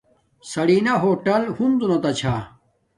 سرینا ہوٹل ہنزو نا چھا